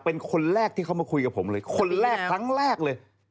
เป็นคนแรกที่เขามาคุยกับผมเลยคนแรกครั้งแรกเลย